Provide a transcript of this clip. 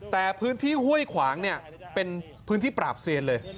แต่พื้นที่ห้วยขวางเนี่ยเป็นพื้นที่ปราบเซียนเลย